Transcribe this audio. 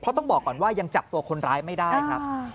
เพราะต้องบอกก่อนว่ายังจับตัวคนร้ายไม่ได้ครับ